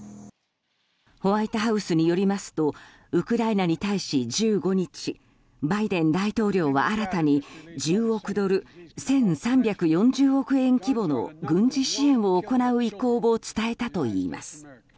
ホワイトハウスによりますとウクライナに対し、１５日バイデン大統領は新たに１０億ドル１３４０億円規模の軍事支援を行う意向を伝えたといいます。